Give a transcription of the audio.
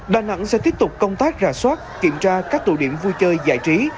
đà nẵng sẽ tiếp tục công tác rà soát kiểm tra các tụ điểm vui chơi giải trí